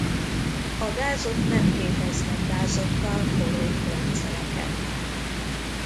A gázok nem képeznek gázokkal kolloid rendszereket.